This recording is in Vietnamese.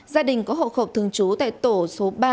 gia đình có hộ khẩu thường trú tại tổ số ba